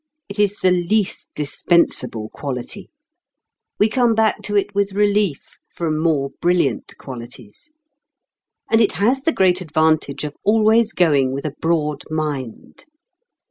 It is the least dispensable quality. We come back to it with relief from more brilliant qualities. And it has the great advantage of always going with a broad mind.